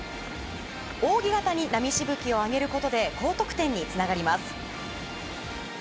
扇形に波しぶきを上げることで高得点につながります。